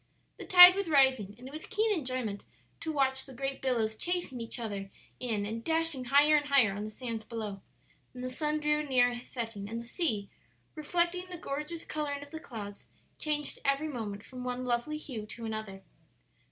The tide was rising, and it was keen enjoyment to watch the great billows chasing each other in and dashing higher and higher on the sands below. Then the sun drew near his setting, and the sea, reflecting the gorgeous coloring of the clouds, changed every moment from one lovely hue to another.